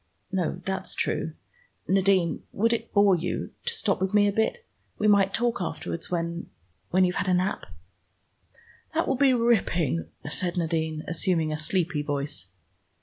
"No, that's true. Nadine, would it bore you to stop with me a bit? We might talk afterwards, when when you've had a nap." "That will be ripping," said Nadine, assuming a sleepy voice.